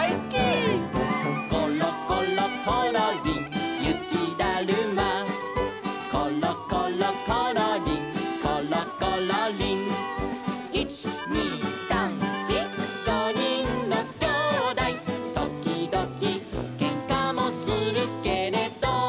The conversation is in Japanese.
「ころころころりんゆきだるま」「ころころころりんころころりん」「いちにさんしごにんのきょうだい」「ときどきけんかもするけれど」